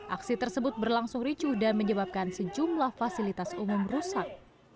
aksi tersebut berlangsung ricuh dan menyebabkan sejumlah fasilitas umum rusak